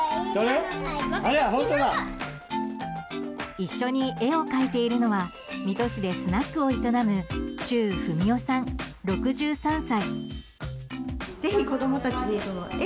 一緒に絵を描いているのは水戸市でスナックを営む忠文夫さん、６３歳。